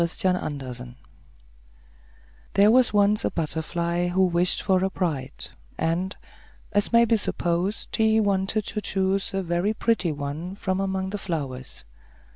THE BUTTERFLY There was once a butterfly who wished for a bride, and, as may be supposed, he wanted to choose a very pretty one from among the flowers.